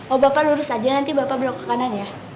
oh bapak lurus aja nanti bapak blok ke kanan ya